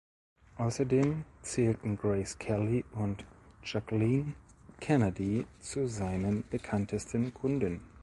Außerdem zählten Grace Kelly und Jacqueline Kennedy zu seinen bekanntesten Kunden.